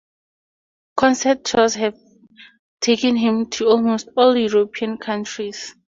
Concert tours have taken him to almost all European countries.